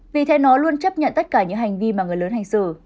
vì thế nó luôn chấp nhận tất cả những hành vi mà người lớn hành xử